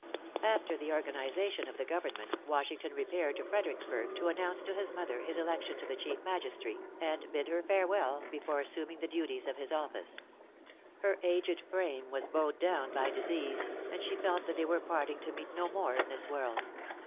After the organization of the government, Washington repaired to Fredericksburg, to announce to his mother his election to the chief magistracy, and bid her farewell, before assuming the duties of his office. Her aged frame was bowed down by disease; and she felt that they were parting to meet no more in this world.